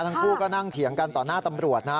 ทั้งคู่ก็นั่งเถียงกันต่อหน้าตำรวจนะ